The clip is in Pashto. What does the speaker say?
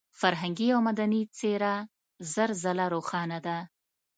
فرهنګي او مدني څېره زر ځله روښانه ده.